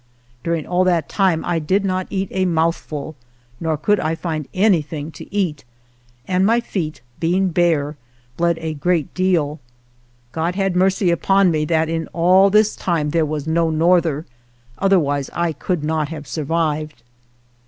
During all that time I did not eat a mouthful, nor could I find anything to eat, and my feet, being bare, bled a great deal. God had mercy upon me, that in all this time there was no norther ; otherwise I could not have survived.